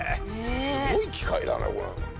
すごい機械だなこれ。